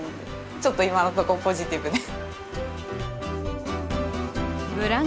ちょっと今のとこポジティブで。